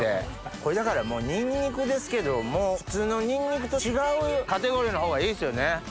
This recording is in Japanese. これだからニンニクですけどもう普通のニンニクと違うカテゴリーのほうがいいっすよね。